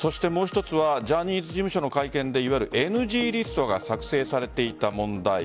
ジャニーズ事務所の会見でいわゆるＮＧリストが作成されていた問題。